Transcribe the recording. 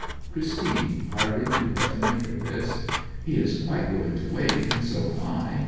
Christine hardly knew what to make of this. 'He is quite willing to wait, and so am I.